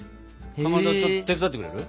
かまどちょっと手伝ってくれる？